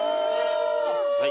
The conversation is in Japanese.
はい。